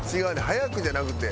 「早く」じゃなくて。